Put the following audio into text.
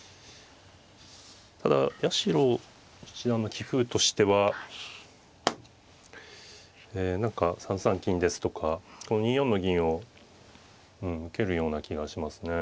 ただ八代七段の棋風としては何か３三金ですとかこの２四の銀を受けるような気がしますね。